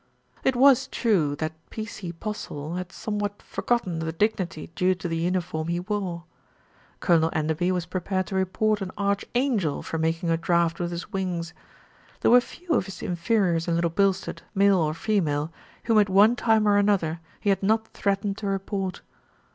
It was true that P.C. Postle had somewhat forgot ten the dignity due to the uniform he wore. Colonel Enderby was prepared to report an arch angel for making a draught with his wings. There were few of his inferiors in Little Bilstead, male or female, whom at one time or another he had not threat ened to report.